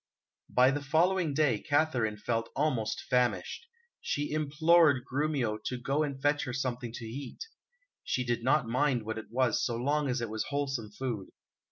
By the following day Katharine felt almost famished. She implored Grumio to go and fetch her something to eat; she did not mind what it was so long as it was wholesome food.